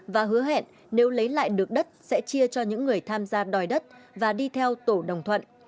và hứa hẹn nếu lấy lại được đất sẽ chia cho những người tham gia đòi đất và đi theo tổ đồng thuận